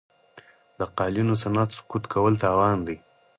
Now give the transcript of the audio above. د قالینو صنعت سقوط کول تاوان دی.